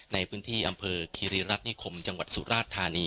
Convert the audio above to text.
ในพื้นที่อำเภอคิริรัตนิคมจังหวัดสุราชธานี